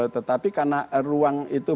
tetapi karena ruang itu